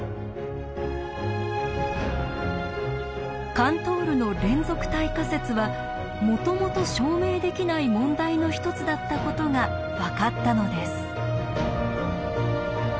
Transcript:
カントールの「連続体仮説」はもともと証明できない問題の一つだったことが分かったのです。